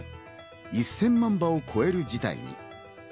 １０００万羽を超える事態に。